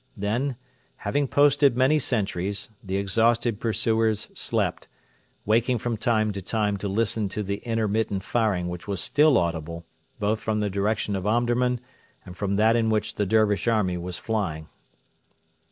Then, having posted many sentries, the exhausted pursuers slept, waking from time to time to listen to the intermittent firing which was still audible, both from the direction of Omdurman and from that in which the Dervish army was flying.